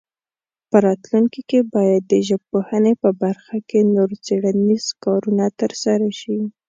په راتلونکي کې باید د ژبپوهنې په برخه کې نور څېړنیز کارونه ترسره شي.